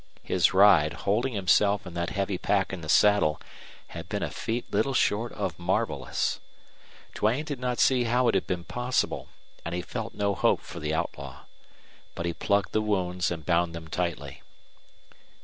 His ride, holding himself and that heavy pack in the saddle, had been a feat little short of marvelous. Duane did not see how it had been possible, and he felt no hope for the outlaw. But he plugged the wounds and bound them tightly.